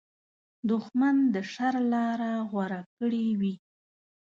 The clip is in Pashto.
دښمن د شر لاره غوره کړې وي